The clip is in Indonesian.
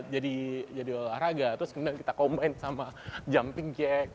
jadi jadi olahraga terus kemudian kita combine sama jumping jack